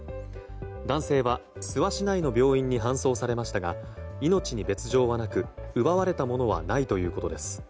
男性は、諏訪市内の病院に搬送されましたが命に別条はなく、奪われたものはないということです。